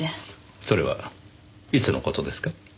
それはいつの事ですか？